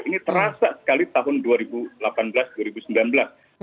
jadi itu adalah hal yang harus dilakukan